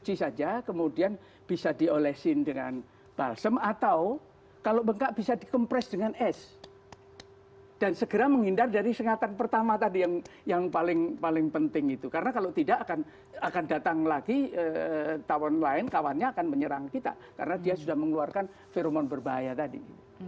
kalau diciptakan saja kemudian bisa dioleskan dengan balsam atau kalau bengkak bisa dikompres dengan es dan segera menghindar dari sengatan pertama tadi yang paling paling penting itu karena kalau tidak akan akan datang lagi tahun lain kawannya akan menyerang kita karena dia sudah mengeluarkan fenom berbahaya tadi